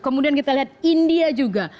kemudian kita lihat india juga